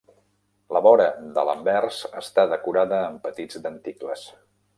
La vora de l'anvers està decorada amb petits denticles.